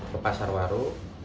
ke pasar waru